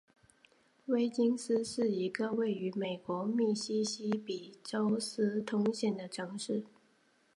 威金斯是一个位于美国密西西比州斯通县的城市。